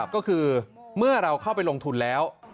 ก็คือเมื่อเราเข้าไปลงทุนแล้ว